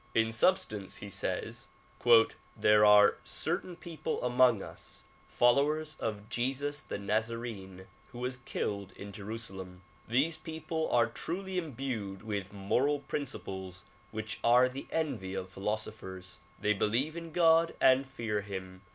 In substance he says "There are certain people among us, followers of Jesus the Nazarene who was killed in Jerusalem. These people are truly imbued with moral principles which are the envy of philosophers. They believe in God and fear him.